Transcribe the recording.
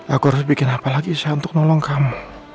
aku harus bikin apa lagi saya untuk nolong kamu